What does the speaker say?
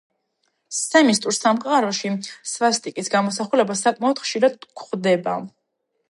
სემიტურ სამყაროში სვასტიკის გამოსახულება საკმაოდ ხშირად გვხვდება.